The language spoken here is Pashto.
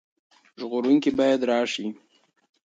ژغورونکی باید راشي.